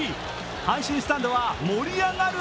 阪神スタンドは盛り上がる